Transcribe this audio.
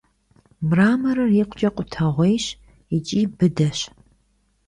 Мраморыр икъукӀэ къутэгъуейщ икӀи быдэщ.